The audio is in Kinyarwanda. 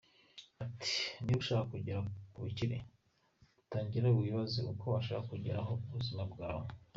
Ati “ Niba ushaka kugera ku bukire, utangira wibaza icyo ushaka kugeraho mu buzima bwawe.